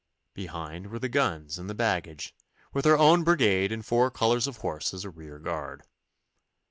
Behind were the guns and the baggage, with our own brigade and four colours of horse as a rearguard.